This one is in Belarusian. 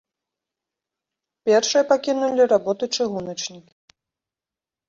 Першыя пакінулі работу чыгуначнікі.